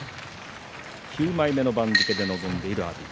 ９枚目の番付で臨んでいる阿炎。